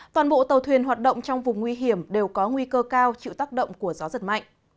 toàn bộ tàu thuyền hoạt động trong vùng nguy hiểm đều có nguy cơ cao chịu tác động của gió giật mạnh